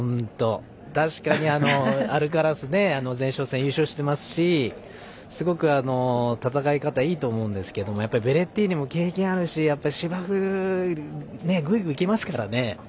確かにアルカラスは前哨戦で優勝していますしすごく戦い方はいいと思うんですけどベレッティーニも経験があるし芝生ぐいぐいきますからね。